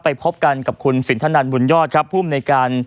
พบกันกับคุณสินทนันบุญยอดครับภูมิในการ